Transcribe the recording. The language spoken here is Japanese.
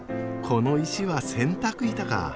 この石は洗濯板か。